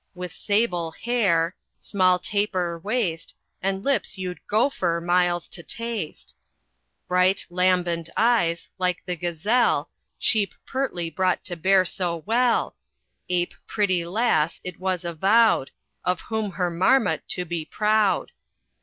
With sable hare, small tapir waist, And lips you'd gopher miles to taste; Bright, lambent eyes, like the gazelle, Sheep pertly brought to bear so well; Ape pretty lass it was avowed, Of whom her marmot to be proud.